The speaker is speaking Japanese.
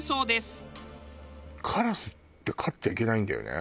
カラスって飼っちゃいけないんだよね？